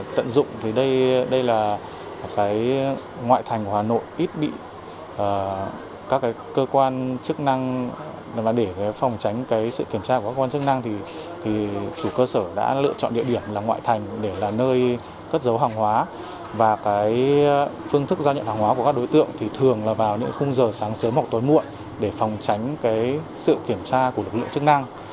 tối muộn để phòng tránh sự kiểm tra của lực lượng chức năng